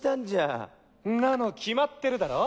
んなの決まってるだろ。